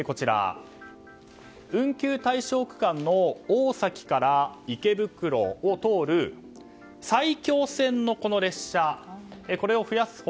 運休対象区間の大崎から池袋を通る埼京線の列車、これを増やす他